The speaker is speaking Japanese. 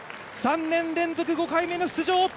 ３年連続５回目の出場。